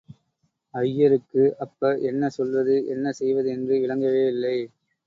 ஐயருக்கு, அப்ப—என்ன சொல்வது, என்ன செய்வது என்று விளங்கவே இல்லை.